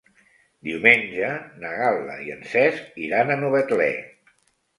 Diumenge na Gal·la i en Cesc iran a Novetlè.